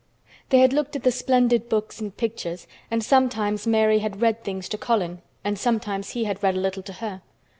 They had looked at the splendid books and pictures and sometimes Mary had read things to Colin, and sometimes he had read a little to her.